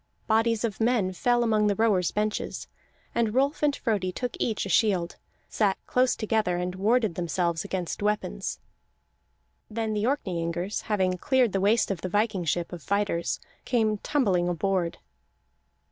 Bodies of men fell among the rowers' benches, and Rolf and Frodi took each a shield, sat close together, and warded themselves against weapons. Then the Orkneyingers, having cleared the waist of the viking ship of fighters, came tumbling aboard.